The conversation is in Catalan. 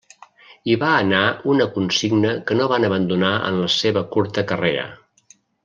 I va anar una consigna que no van abandonar en la seva curta carrera.